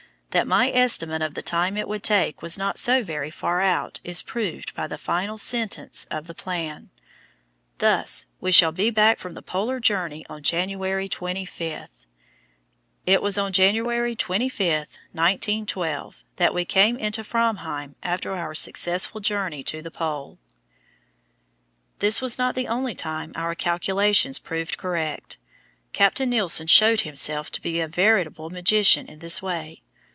That my estimate of the time it would take was not so very far out is proved by the final sentence of the plan: "Thus we shall be back from the Polar journey on January 25." It was on January 25, 1912, that we came into Framheim after our successful journey to the Pole. This was not the only time our calculations proved correct; Captain Nilsen showed himself to be a veritable magician in this way.